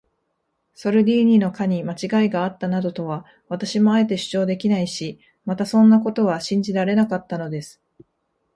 ソルディーニの課にまちがいがあったなどとは、私もあえて主張できないし、またそんなことは信じられなかったのです。